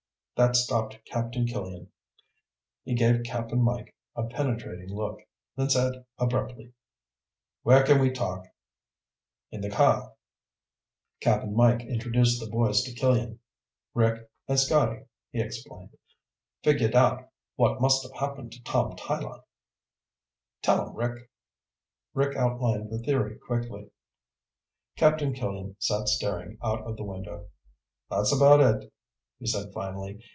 That stopped Captain Killian. He gave Cap'n Mike a penetrating look, then said abruptly, "Where can we talk?" "In the car." Cap'n Mike introduced the boys to Killian. "Rick and Scotty," he explained, "figured out what must have happened to Tom Tyler. Tell him, Rick." Rick outlined the theory quickly. Captain Killian sat staring out of the window. "That's about it," he said finally.